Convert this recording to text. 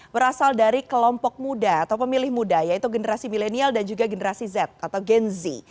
berasal dari kelompok muda atau pemilih muda yaitu generasi milenial dan juga generasi z atau gen z